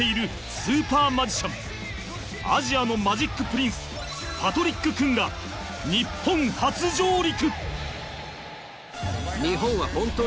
［アジアのマジックプリンスパトリック・クンが日本初上陸！］